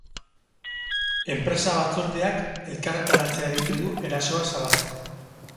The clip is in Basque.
Enpresa-batzordeak elkarretaratzea deitu du erasoa salatzeko.